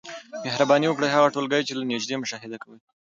مهرباني وکړئ هغه ټولګي چي له نیژدې مشاهده کوی